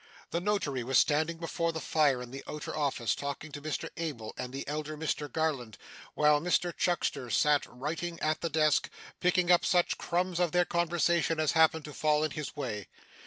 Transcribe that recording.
The notary was standing before the fire in the outer office, talking to Mr Abel and the elder Mr Garland, while Mr Chuckster sat writing at the desk, picking up such crumbs of their conversation as happened to fall in his way.